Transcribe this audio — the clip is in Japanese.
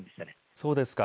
そうですか。